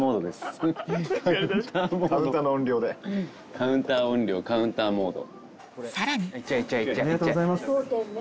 カウンター音量カウンターモード。